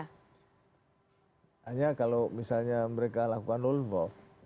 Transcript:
hanya kalau misalnya mereka lakukan lone wolf